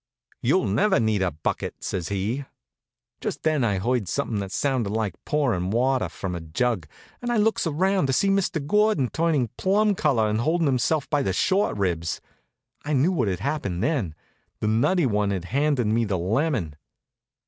"You'll never need a bucket," says he. Just then I heard something that sounded like pouring water from a jug, and I looks around, to see Mr. Gordon turnin' plum color and holdin' himself by the short ribs. I knew what had happened then. The nutty one had handed me the lemon.